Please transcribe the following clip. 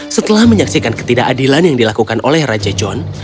setelah menyaksikan ketidakadilan yang dilakukan oleh raja john